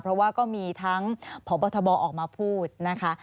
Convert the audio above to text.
เพราะว่าก็มีทั้งพบทบออกมาพูดนะคะ